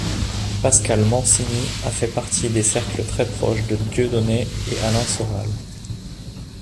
Pascal Mancini a fait partie des cercles très proches de Dieudonné et Alain Soral.